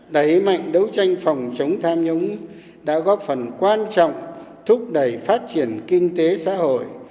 đẩy mạnh đấu tranh phòng chống tham nhũng đã góp phần quan trọng thúc đẩy phát triển kinh tế xã hội